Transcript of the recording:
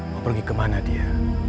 mau pergi kemana dia